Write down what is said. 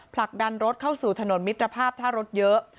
ผลักดันรถเข้าสู่ถนนมิตรภาพถ้ารถเยอะ